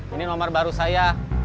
ini nomor baru saya